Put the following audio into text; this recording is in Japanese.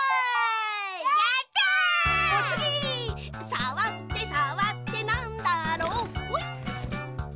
「さわってさわってなんだろう」ほい！